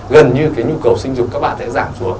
gần như cái nhu cầu sinh dùng các bạn sẽ giảm xuống